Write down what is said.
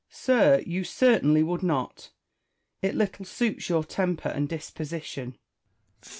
Sir, you certainly would not : it little suits your temper and disposition.